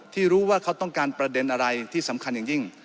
ที่รู้ว่าเขาต้องการประเด็นอะไรที่สำคัญอย่างยิ่ง